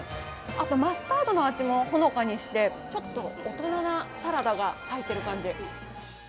あとマスタードの味もほのかにしてちょっと大人なサラダが入ってる感じ。